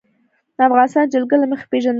افغانستان د جلګه له مخې پېژندل کېږي.